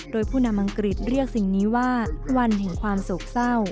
โดยผู้นำอังกฤษเรียกสิ่งนี้ว่าวันแห่งความโศกเศร้า